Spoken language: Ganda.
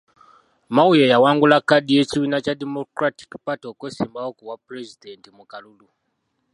Mao ye yawangula kkaadi y'ekibiina kya Democratic Party okwesimbawo ku bwapulezidenti mu kalulu.